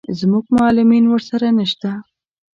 زموږ معلمین ورسره نه شته.